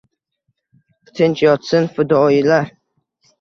tinch yotsin fidolar.